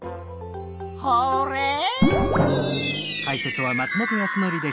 ホーレイ！